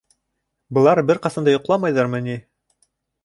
Былар бер ҡасан да йоҡламайҙармы ни?